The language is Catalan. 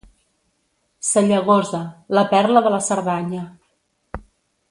Sallagosa, la perla de la Cerdanya.